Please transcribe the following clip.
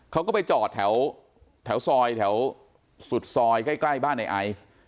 เขาก็ไปจอดแถวซอยแถวสุดซอยใกล้บ้านในไอซ์